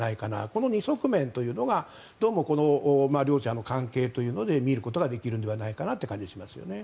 この二側面というのが両者の関係というので見ることができるのではないかという感じがしますね。